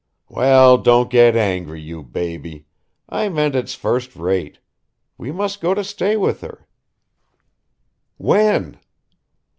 "Well, don't get angry, you baby! I meant it's first rate. We must go to stay with her." "When?"